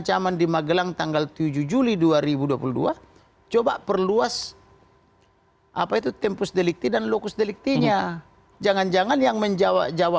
cnn indonesia breaking news